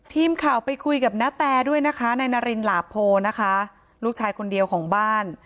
ทีมข่าวไปคุยกับณแตด้วยนะคะนายนารินหลาโพนะคะลูกชายคนเดียวของบ้าน